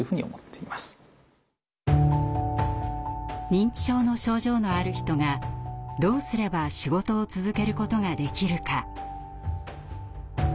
認知症の症状のある人がどうすれば仕事を続けることができるか？